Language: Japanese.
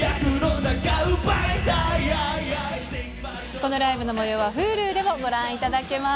このライブのもようはｈｕｌｕでもご覧いただけます。